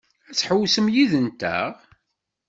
Ad tḥewwsem yid-nteɣ?